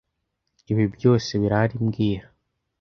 Ibi byose birahari mbwira